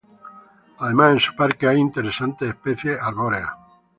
Además, en su parque hay interesantes especies arbóreas.